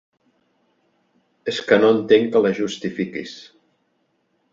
És que no entenc que la justifiquis.